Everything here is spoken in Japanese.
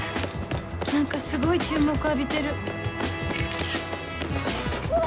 何かすごい注目浴びてるこら！